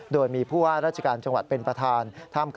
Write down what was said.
โดยมีผู้ว่าราชการจังหวัดเป็นประธาน